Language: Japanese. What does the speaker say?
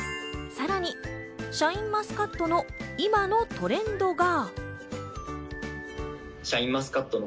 さらにシャインマスカットの今のトレンドが。